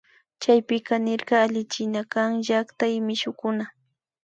Chaypika nirka allichinakan llakta y mishukuna